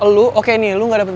pada akhirnya itu khas haya virus